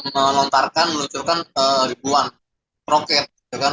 melontarkan meluncurkan ribuan roket